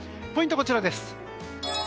ポイントはこちらです。